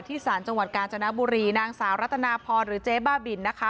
ศาลจังหวัดกาญจนบุรีนางสาวรัตนาพรหรือเจ๊บ้าบินนะคะ